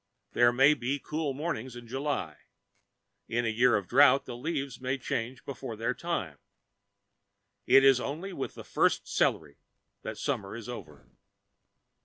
There may be cool mornings in July; in a year of drought the leaves may change before their time; it is only with the first celery that summer is over.